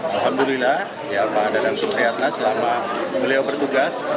alhamdulillah ya pak adan soekriatlah selama beliau bertugas